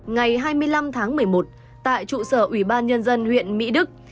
ngày hai mươi năm tháng một mươi một tại trụ sở ủy ban nhân dân huyện mỹ đức